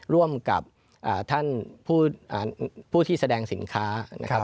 ร่วมกับท่านผู้ที่แสดงสินค้านะครับ